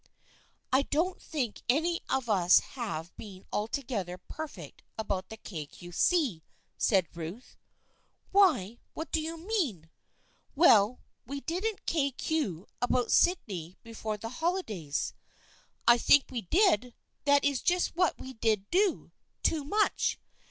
" I don't think any of us have been altogether perfect about the Kay Cue See," said Ruth. " Why, what do you mean?" " Well, we didn't K. Q. about Sydney before the holidays." " I think we did ! That is just what we did do, too much